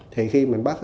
thì khi mình bắt